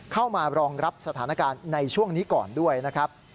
มารองรับสถานการณ์ในช่วงนี้ก่อนด้วยนะครับ